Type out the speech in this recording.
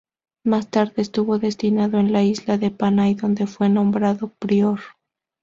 Más tarde, estuvo destinado en la isla de Panay, donde fue nombrado prior.